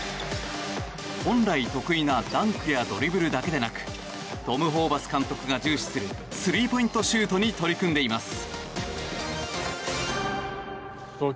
本来、得意なダンクやドリブルだけでなくトム・ホーバス監督が重視するスリーポイントシュートに取り組んでいます。